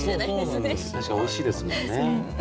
確かにおいしいですもんね。